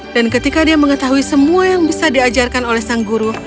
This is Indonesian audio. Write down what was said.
dan ketika dia mengetahui semua yang bisa diajarkan oleh sang guru